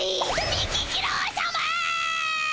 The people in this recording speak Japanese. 幹二郎さま！